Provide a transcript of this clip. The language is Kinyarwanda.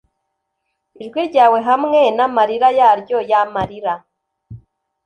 ijwi ryawe, hamwe n'amarira yaryo y'amarira -